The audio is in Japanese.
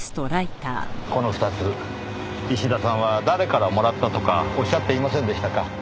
この２つ石田さんは誰からもらったとかおっしゃっていませんでしたか？